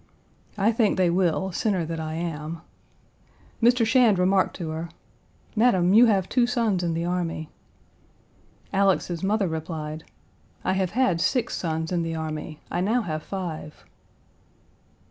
I think they will, sinner that I am. Mr. Shand remarked to her, "Madam, you have two sons in the army." Alex's mother replied, "I have had six sons in the army; I now have five."